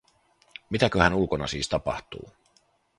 Mitäköhän ulkona siis tapahtuu.